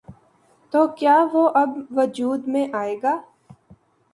تو کیا وہ اب وجود میں آئے گا؟